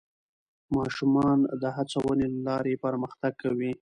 ماشومان د هڅونې له لارې پرمختګ کوي